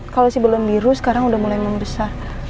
kalau si balon biru sekarang udah mulai membesar